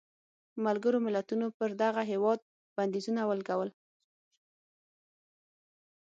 ملګرو ملتونو پر دغه هېواد بندیزونه ولګول.